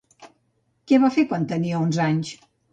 Què va fer quan tenia onze anys?